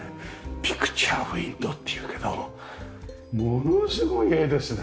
ピクチャーウィンドーっていうけどものすごい絵ですね。